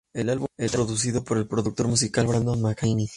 El álbum fue producido por el productor musical Brandon McKinney.